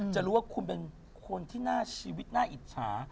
จะรู้ว่าคุณเป็นคนที่น่าชีวิตน่าอิจฉา